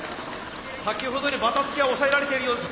先ほどよりばたつきは抑えられてるようです。